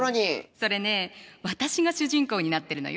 それね私が主人公になってるのよ。